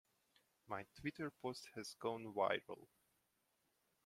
My Twitter post has gone viral.